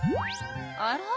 あら？